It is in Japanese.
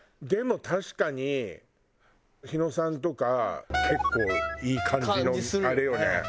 でも確かに日野さんとか結構いい感じのあれよね。